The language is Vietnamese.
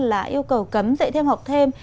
là yêu cầu cấm dạy thêm học thêm